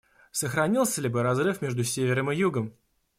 Сохранился ли бы разрыв между Севером и Югом?